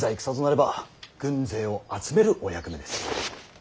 戦となれば軍勢を集めるお役目です。